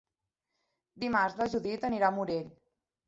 Dimarts na Judit anirà al Morell.